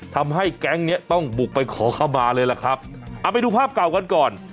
ทำให้แก๊งเนี้ยต้องบุกไปขอเข้ามาเลยล่ะครับเอาไปดูภาพเก่ากันก่อน